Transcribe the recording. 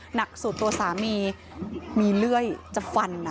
หนักสุดตัวสามีมีเลื่อยจะฟันนะ